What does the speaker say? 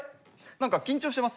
何か緊張してます？